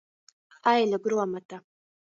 Aiļu gruomota.